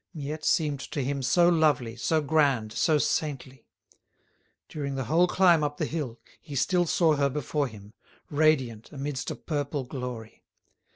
Miette seemed to him so lovely, so grand, so saintly! During the whole climb up the hill he still saw her before him, radiant, amidst a purple glory.